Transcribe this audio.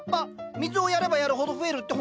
水をやればやるほど増えるってほんと？